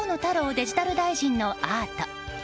デジタル大臣のアート。